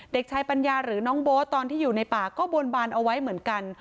เด็กชายปัญญาหรือน้องโบ๊ทตอนที่อยู่ในป่าก็บนบานเอาไว้เหมือนกัน